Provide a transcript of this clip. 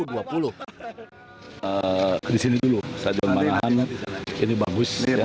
disini dulu stadion manahan ini bagus